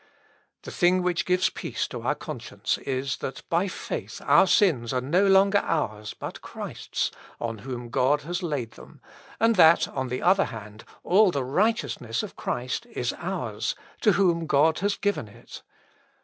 The thing which gives peace to our conscience is, that by faith our sins are no longer ours, but Christ's, on whom God has laid them; and that, on the other hand, all the righteousness of Christ is ours, to whom God has given it.